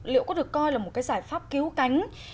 liệu có được coi là một cái giải pháp cứu cánh